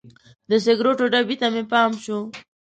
د سګریټو ډبي ته مې پام شو.